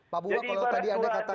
pak buba kalau tadi anda katakan